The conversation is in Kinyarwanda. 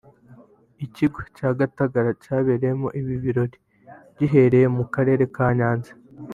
Ikigo cya Gatagara cyabereyemo ibi birori gihereye mu Karere ka Nyanza